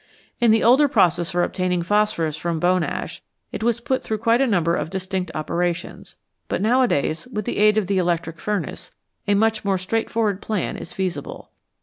In the older process for obtaining phosphorus from bone ash, it was put through quite a number of distinct operations, but nowadays, with the aid of the electric furnace, a much more straightforward plan is feasible.